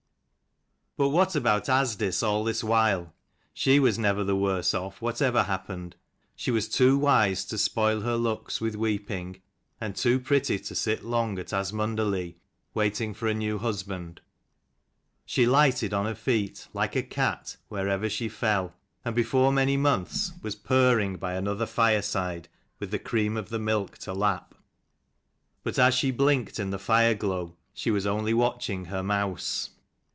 UT what about Asdis, all this CHAPTER while ? She was never the XLVI. worse off, whatever happened. UNBIDDEN tShe was too wise to spoil her GUESTS. 'looks with weeping, and too pretty to sit long at Asmundar lea waiting for a new husband. She lighted on her feet, like a cat, wherever she fell: and before many months was purring by another fireside, with the cream of the milk to lap. 271 But as she blinked in the fireglow, she was only watching her mouse.